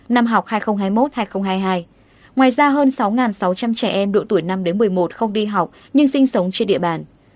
năm học hai nghìn hai mươi một hai nghìn hai mươi hai ngoài ra hơn sáu sáu trăm linh trẻ em độ tuổi năm đến một mươi một không đi học nhưng sinh sống trên địa bàn